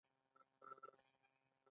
هغه هغې ته په درناوي د چمن کیسه هم وکړه.